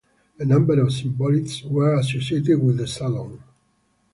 A number of Symbolists were associated with the Salon.